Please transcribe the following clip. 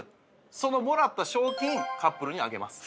そのもらった賞金カップルにあげます。